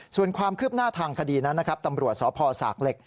ส่วนความคืบหน้าทางคดีนั้นนะครับตำรวจสพสากเหล็ก